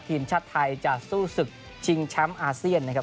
ทีมชาติไทยจะสู้ศึกชิงแชมป์อาเซียนนะครับ